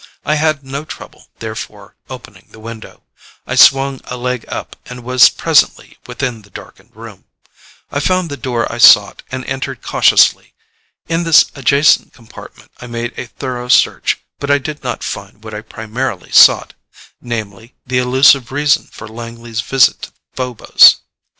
I had no trouble, therefore, opening the window. I swung a leg up and was presently within the darkened room. I found the door I sought and entered cautiously. In this adjacent compartment I made a thorough search but I did not find what I primarily sought namely the elusive reason for Langley's visit to Phobos.